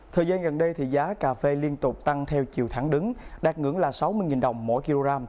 thời gian gần đây thì giá cà phê liên tục tăng theo chiều thẳng đứng đạt ngưỡng là sáu mươi đồng mỗi kg